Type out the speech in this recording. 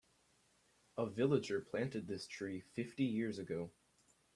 A villager planted this tree fifty years ago.